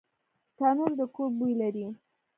تنور د کور بوی لري